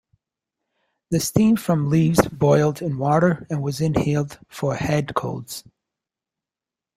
The steam from leaves boiled in water was inhaled for head colds.